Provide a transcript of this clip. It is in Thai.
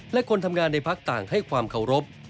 และคนทำงานในพักต่างให้ความเคารพ